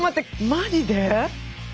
マジで？